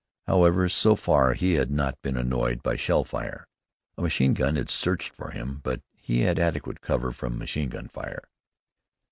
However, so far he had not been annoyed by shell fire. A machine gun had searched for him, but he had adequate cover from machine gun fire.